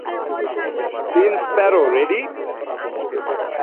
Team sparrow ready?